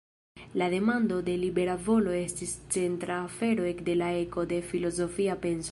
La demando de libera volo estis centra afero ekde la eko de filozofia penso.